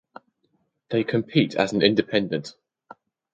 They compete as an independent.